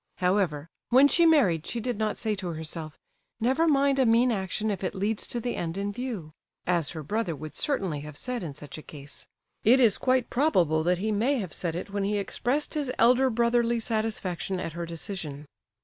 However, when she married she did not say to herself, "Never mind a mean action if it leads to the end in view," as her brother would certainly have said in such a case; it is quite probable that he may have said it when he expressed his elder brotherly satisfaction at her decision.